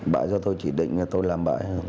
bạc do tôi chỉ định là tôi làm bạc